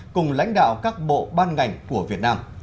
cùng lãnh đạo các bộ ban ngành của việt nam